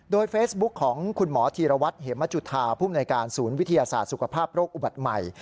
โดยเฟซบุ๊คของคุณหมอธีรวัตรเหมจุธาภูมิในการศูนย์วิทยาศาสตร์สุขภาพโรคอุบัติใหม่